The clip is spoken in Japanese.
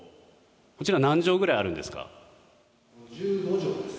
こちら何畳ぐらいあるんですか？